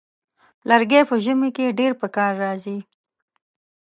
لرګی په ژمي کې ډېر پکار راځي.